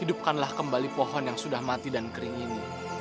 hidupkanlah kembali pohon yang sudah mati dan kering ini